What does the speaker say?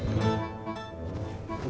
bukannya kok dimakan ikan nih